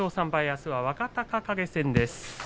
あすは若隆景戦です。